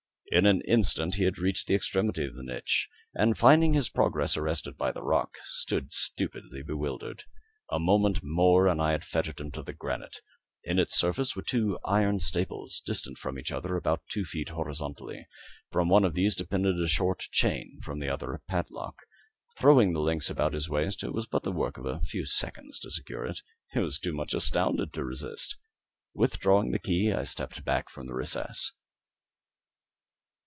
In an instant he had reached the extremity of the niche, and finding his progress arrested by the rock, stood stupidly bewildered. A moment more and I had fettered him to the granite. In its surface were two iron staples, distant from each other about two feet, horizontally. From one of these depended a short chain, from the other a padlock. Throwing the links about his waist, it was but the work of a few seconds to secure it. He was too much astounded to resist. Withdrawing the key I stepped back from the recess.